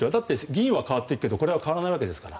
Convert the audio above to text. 議員は変わっていくけどこれは変わらないわけですから。